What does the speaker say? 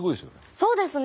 そうですね。